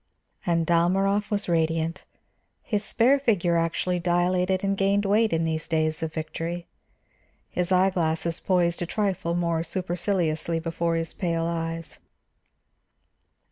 And Dalmorov was radiant. His spare figure actually dilated and gained weight in these days of victory, his eye glasses poised a trifle more superciliously before his pale eyes.